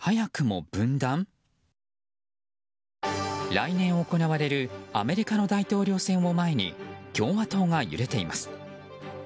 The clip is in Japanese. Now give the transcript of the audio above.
来年行われるアメリカの大統領選を前に共和党が揺れています。